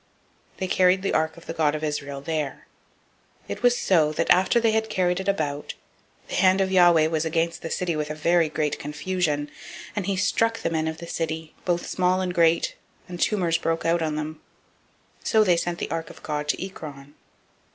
They carried the ark of the God of Israel [there]. 005:009 It was so, that after they had carried it about, the hand of Yahweh was against the city with a very great confusion: and he struck the men of the city, both small and great; and tumors broke out on them. 005:010 So they sent the ark of God to Ekron.